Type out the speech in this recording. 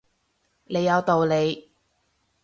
你有道理